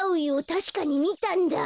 たしかにみたんだ。